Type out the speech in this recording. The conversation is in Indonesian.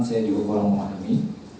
saya juga kurang memahami